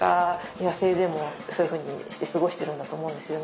野生でもそういうふうにして過ごしているんだと思うんですよね。